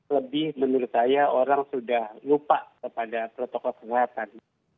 lebih menurut saya orang sudah lupa kepada protokol kesehatan